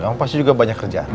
memang pasti juga banyak kerjaan